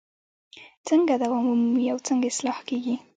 څنګه دوام ومومي او څنګه اصلاح کیږي؟